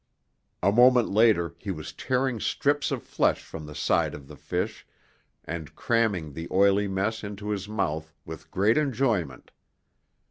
A moment later he was tearing strips of flesh from the side of the fish and cramming the oily mess into his mouth with great enjoyment.